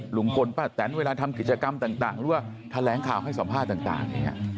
หลุงกลประแสนเวลาทำกิจกรรมต่างหรือว่าแถลงข่าวให้สอบภาพต่าง